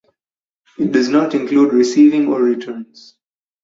It does not include receiving or returns.